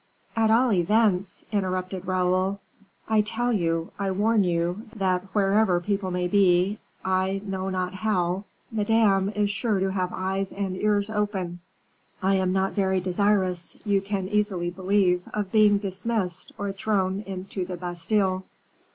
"At all events " interrupted Raoul. "I tell you, I warn you, that wherever people may be, I know not how, Madame is sure to have eyes and ears open. I am not very desirous, you can easily believe, of being dismissed or thrown in to the Bastile.